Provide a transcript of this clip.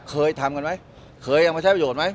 เคยทำกันไหมเคยยังมาใช้ประโยชนไหม